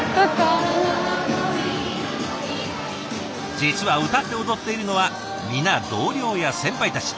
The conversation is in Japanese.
実は歌って踊っているのは皆同僚や先輩たち。